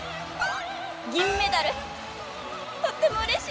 銀メダルとってもうれしいです！